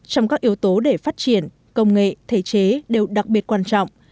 trong các yếu tố để phát triển công nghệ thể chế đều đặc biệt quan trọng